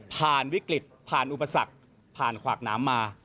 วิกฤตผ่านอุปสรรคผ่านขวากน้ำมา